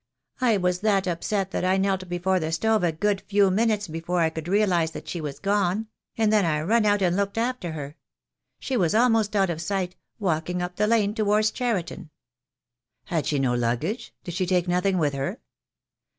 I was that upset that I knelt before the stove a good few minutes before I could realize that she was gone — and then I run out and looked after her. She was almost out of sight, walking up the lane towards Cheriton." "Had she no luggage — did she take nothing with her?"